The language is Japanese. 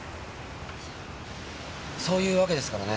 そういうわけですからね